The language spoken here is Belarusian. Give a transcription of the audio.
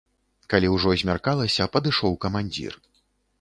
Калі ўжо змяркалася, падышоў камандзір.